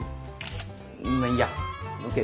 まっいいやＯＫ。